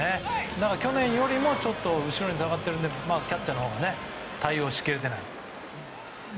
だから去年よりもちょっと後ろに下がっているのでキャッチャーのほうは対応しきれていない。